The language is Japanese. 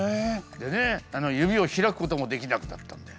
でね指を開くこともできなくなったんだよ。